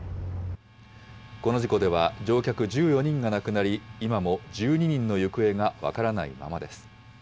この事故では乗客１４人が亡くなり、今も１２人の行方が分からないままです。